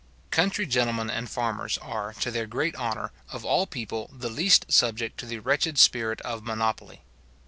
Country gentlemen and farmers are, to their great honour, of all people, the least subject to the wretched spirit of monopoly.